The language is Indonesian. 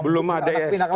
belum ada ya